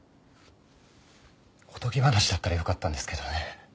おとぎ話だったらよかったんですけどね。